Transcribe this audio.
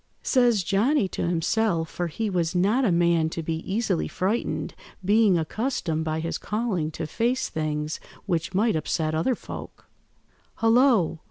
Says Johnny to himself, for he was not a man to be easily frightened, being accustomed by his calling to face things which might upset other folk— "'Hullo!